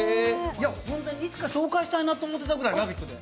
いつか紹介したいなと思ってたぐらい、「ラヴィット！」で。